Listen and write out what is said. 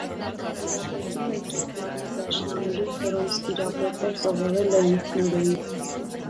Տիրապետում է կիթառի, դաշնամուրի, որոնց տիրապետել սովորել է ինքնուրույն։